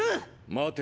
待て。